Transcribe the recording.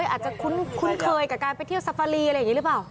อาจจะคุ้นเคยกับการไปเที่ยวซาฟารีอะไรอย่างนี้หรือเปล่า